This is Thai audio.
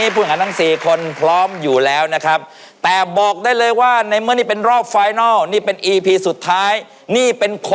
เพราะฉะนั้นหมายเลข๑๑ประจำที